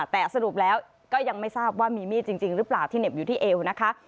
แต่สรุปแล้วก็ยังไม่ทราบว่ามีมีดจริงหรือเปล่าที่เหน็บอยู่ที่เอวนะคะ